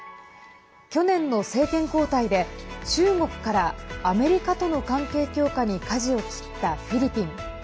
去年の政権交代で中国からアメリカとの関係強化にかじを切ったフィリピン。